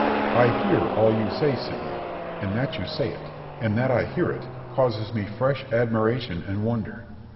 Berg. I hear all you say, Scipio; and that you say it, and that I hear it, causes me fresh admiration and wonder.